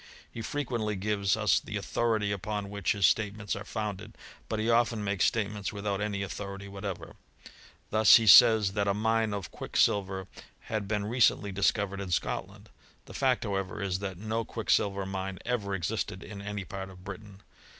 He frequently gives us the authority upon which his statements are founded; but he often makes. statements without any authority^" whatever. Thus he says, that a mine of quicksilver" had been recently discovered in Scotland : the fact;^ however, is, that no quicksilver mine ever existed ic* any part of Britain.